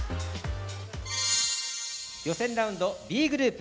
予選ラウンドＢグループ